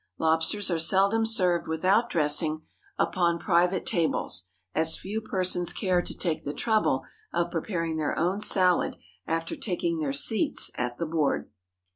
Lobsters are seldom served without dressing, upon private tables, as few persons care to take the trouble of preparing their own salad after taking their seats at the board.